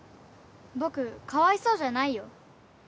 僕かわいそうじゃないよ。